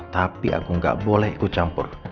tapi aku gak boleh ikut campur